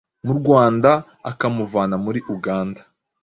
mu Rwanda akamuvana muri Uganda.